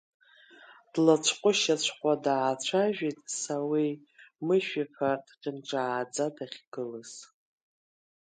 Длацәҟәышьацәҟәуа даацәажәеит Сауеи Мышә-иԥа дкьынҿааӡа дахьгылаз.